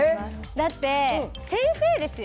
だって先生ですよ！